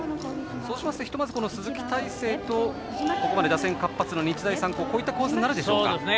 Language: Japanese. そうしますとひとまず鈴木泰成と打線活発な日大三高、こういった構図になるでしょうか。